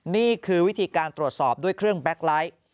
นี่คือวิธีการตรวจสอบด้วยเครื่องแก๊กไลท์